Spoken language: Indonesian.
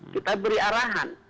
kita beri arahan